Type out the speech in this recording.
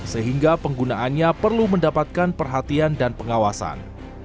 sehingga penggunaannya perlu mendapatkan perhatian dan pengawasan